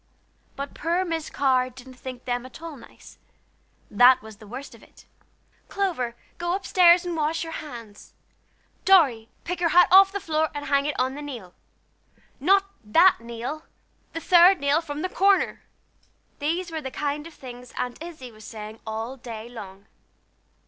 But poor Miss Carr didn't think them at all nice; that was the worst of it. "Clover, go up stairs and wash your hands! Dorry, pick your hat off the floor and hang it on the nail! Not that nail the third nail from the corner!" These were the kind of things Aunt Izzie was saying all day long.